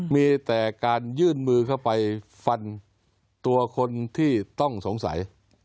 มีแต่การยื่นมือเข้าไปฟันตัวคนที่ต้องสงสัย